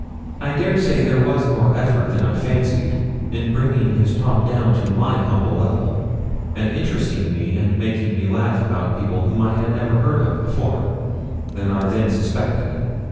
I dare say there was more effort than I fancied in bringing his talk down to my humble level, and interesting me and making me laugh about people whom I had never heard of before, than I then suspected.